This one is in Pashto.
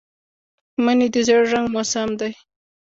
مني د زېړ رنګ موسم دی